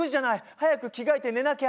早く着替えて寝なきゃ。